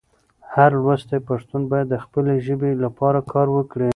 هر لوستی پښتون باید د خپلې ژبې لپاره کار وکړي.